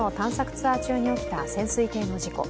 ツアー中に起きた潜水艇の事故。